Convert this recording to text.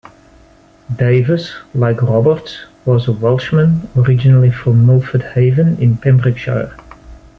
Davis, like Roberts, was a Welshman, originally from Milford Haven in Pembrokeshire.